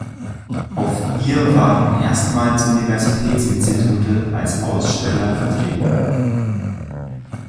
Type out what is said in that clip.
Auf ihr waren erstmals Universitätsinstitute als Aussteller vertreten.